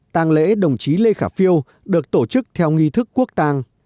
tàng lễ đồng chí lê khả phiêu được tổ chức theo nghi thức quốc tàng